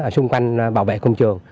ở xung quanh bảo vệ công trường